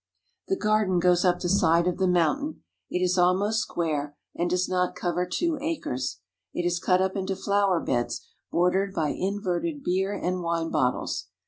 The garden goes up the side of the mountain. It is almost square and does not cover two acres. It is cut up into flower beds bordered by inverted beer and wine bottles.